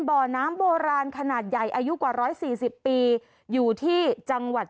บ่อน้ำโบราณขนาดใหญ่อายุกว่าร้อยสี่สิบปีอยู่ที่จังหวัด